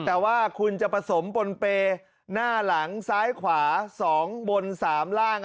แต่ว่าคุณจะผสมบนเปย์หน้าหลังซ้ายขวา๒บน๓ล่าง